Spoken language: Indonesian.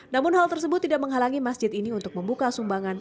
namun hal tersebut tidak menghalangi masjid ini untuk membuka sumbangan